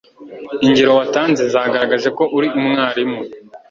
Ingero watanze zagaragaje ko uri umwarimu